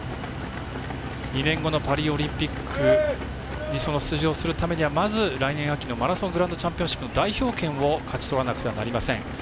２年後のパリオリンピックに出場するためにはまず、来年秋のマラソングランドチャンピオンシップの代表権を勝ち取らないといけません。